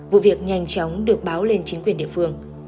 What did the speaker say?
vụ việc nhanh chóng được báo lên chính quyền địa phương